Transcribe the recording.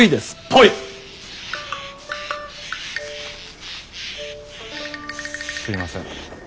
すいません。